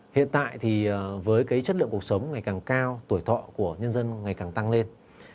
hiện tại với chất lượng cuộc sống ngày càng cao tuổi thọ của nhân dân ngày càng tăng lên